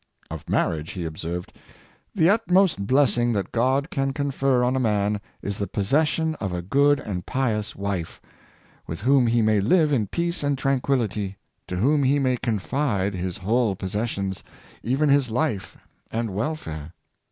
" Of marriage he observed: " The utmost blessing that God can con fer on a man is the possession of a good and pious wife, with whom he may live in peace and tranquility — to whom he may confide his whole possessions, even his life and welfare.